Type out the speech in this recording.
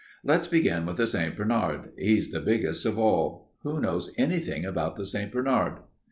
"Let's begin with the St. Bernard. He's the biggest of all. Who knows anything about the St. Bernard?"